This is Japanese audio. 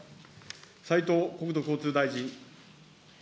斉藤国土交通大臣。